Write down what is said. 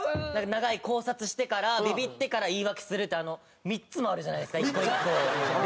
長い考察してからビビってから言い訳するって３つもあるじゃないですか一個一個。